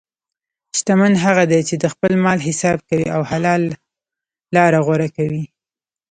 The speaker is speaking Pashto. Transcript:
شتمن هغه دی چې د خپل مال حساب کوي او حلال لاره غوره کوي.